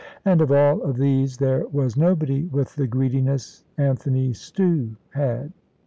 And of all of these there was nobody with the greediness Anthony Stew had.